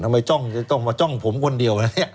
ไม่ต้องมาจ้องผมคนเดียวนะเนี่ย